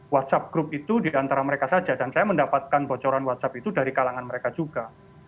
whatsapp group itu diantara mereka saja dan saya mendapatkan bocoran whatsapp itu dari kalangan mereka juga